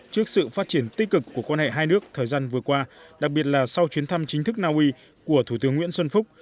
trước sự phát triển tích cực của quan hệ hai nước thời gian vừa qua đặc biệt là sau chuyến thăm chính thức naui của thủ tướng nguyễn xuân phúc